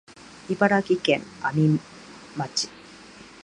茨城県阿見町